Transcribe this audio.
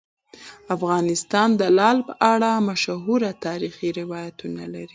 افغانستان د لعل په اړه مشهور تاریخی روایتونه لري.